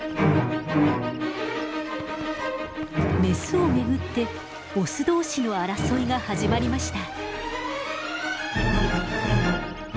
メスを巡ってオス同士の争いが始まりました。